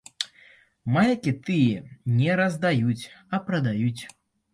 Майкі ты не раздаюць, а прадаюць.